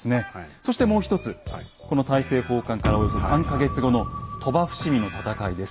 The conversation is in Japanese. そしてもう一つこの大政奉還からおよそ３か月後の鳥羽伏見の戦いです。